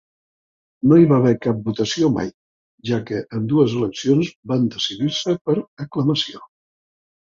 No hi va haver cap votació mai, ja que ambdues eleccions van decidir-se per Aclamació.